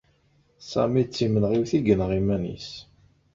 Sami d timenɣiwt i yenɣa iman-is.